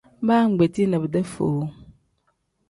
Baa ngbetii na bidee foo.